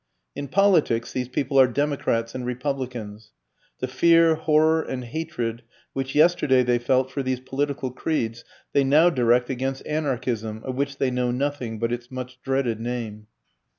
In politics these people are democrats and republicans. The fear, horror and hatred which yesterday they felt for these political creeds they now direct against anarchism, of which they know nothing but its much dreaded name.